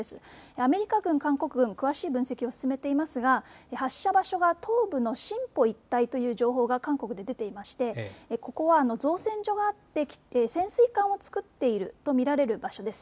アメリカ軍、韓国軍、詳しい分析を進めていますが発射場所が東部のシンポ一帯という情報が韓国で出ていましてここは造船所があって潜水艦を作っていると見られる場所です。